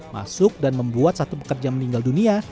masuk dan membuat satu pekerja meninggal dunia